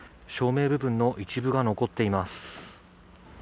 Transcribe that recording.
照明部分の一部が残っています。